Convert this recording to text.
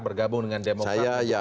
bergabung dengan demokrat partai baru